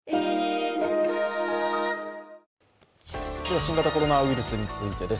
新型コロナウイルスについてです。